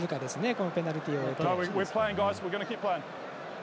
このペナルティを得て。